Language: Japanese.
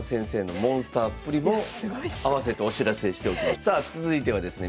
あとさあ続いてはですね